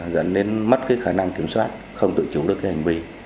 dẫn đến mất khả năng kiểm soát không tự chủ được hành vi